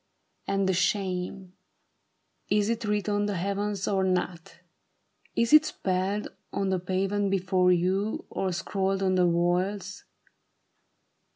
And the shame ! Is it writ on the heavens or not ? Is it spelled On the pavement before you, or scrawled on the walls